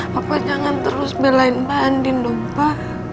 bapak jangan terus belain mandi nomba